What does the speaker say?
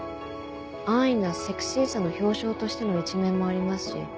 安易なセクシーさの表象としての一面もありますし